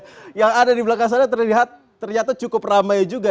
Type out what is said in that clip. dan yang ada di belakang sana ternyata cukup ramai juga